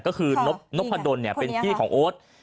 ก็คือนพระดนเนี่ยเป็นพี่ของโอ๊ต